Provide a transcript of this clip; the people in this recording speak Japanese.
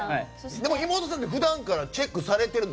でも、妹さんって普段からチェックされてるの？